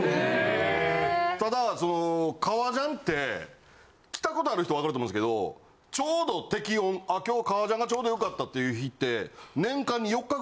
・へぇ・ただその革ジャンって着たことある人わかると思うんですけどちょうど適温「今日革ジャンがちょうど良かった」っていう日って。